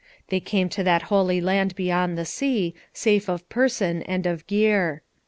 They came to that holy land beyond the sea, safe of person and of gear.